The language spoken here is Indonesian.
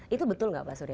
itu betul nggak pak surya